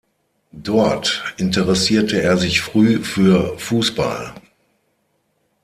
Dort interessierte er sich früh für Fußball.